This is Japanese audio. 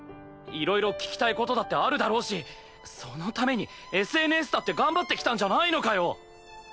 いろいろ聞きたい事だってあるだろうしそのためにＳＮＳだって頑張ってきたんじゃないのかよ！